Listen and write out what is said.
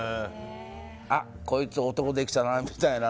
あっこいつ、男できたなみたいな。